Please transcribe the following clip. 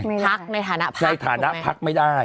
ภักดิ์ในฐานะภักดิ์ใช่ฐานะภักดิ์ไม่ได้